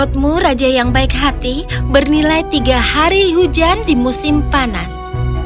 kau akan menjadi gadis yang baik hati bernilai tiga hari hujan di musim panas